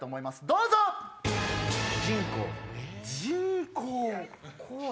どうぞ！え？